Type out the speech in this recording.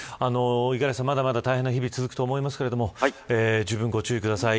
五十嵐さん、まだまだ大変な日々続くと思いますがじゅうぶんご注意ください。